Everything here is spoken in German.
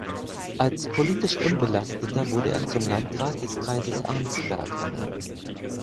Als politisch Unbelasteter wurde er zum Landrat des Kreises Arnsberg ernannt.